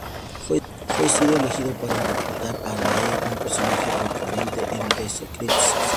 Fue sido elegido para interpretar a Lee, un personaje recurrente en "The Secret Circle".